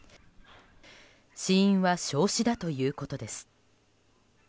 死因は焼死だということです。